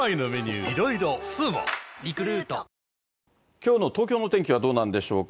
きょうの東京の天気はどうなんでしょうか。